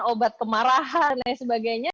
obat kemarahan dan sebagainya